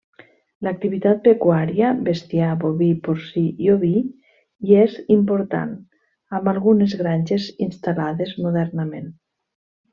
L'activitat pecuària -bestiar boví, porcí i oví- hi és important, amb algunes granges instal·lades modernament.